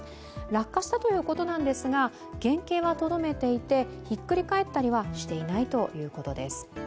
落下したということなんですが原形はとどめていてひっくり返ったりはしていないということです。